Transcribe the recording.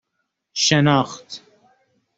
شناخت